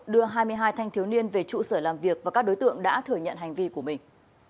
đưa hai mươi hai thanh thiếu niên về trụ sở làm việc và các đối tượng đã thừa nhận hành vi của mình